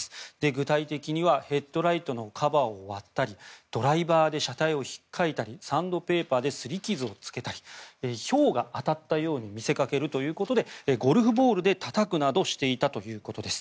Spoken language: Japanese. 具体的にはヘッドライトのカバーを割ったりドライバーで車体を引っかいたりサンドペーパーですり傷をつけたりひょうが当たったように見せかけるということでゴルフボールでたたくなどしていたということです。